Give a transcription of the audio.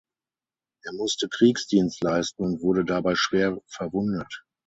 Er musste Kriegsdienst leisten und wurde dabei schwer verwundet.